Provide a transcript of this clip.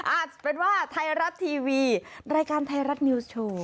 อาจจะเป็นว่าไทยรัฐทีวีรายการไทยรัฐนิวส์โชว์